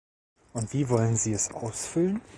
Und wie wollen Sie es ausfüllen?